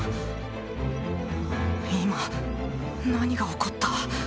今何が起こった？